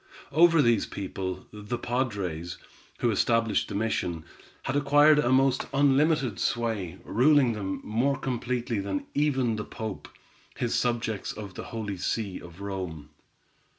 Over these people, the padres, who established the mission, had acquired a most unlimited sway, ruling them more completely than even the Pope his subjects of the Holy See of Rome.